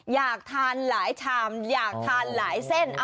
อยากทานหลายชามอยากทานหลายเส้น